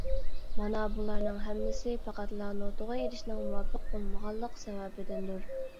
مانا بۇلارنىڭ ھەممىسى پەقەتلا نوتىغا ئېلىشنىڭ مۇۋاپىق بولمىغانلىق سەۋەبىدىندۇر.